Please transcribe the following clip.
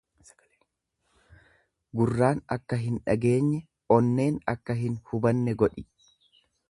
Gurraan akka hin dhageenye, onneen akka hin hubanne godhi.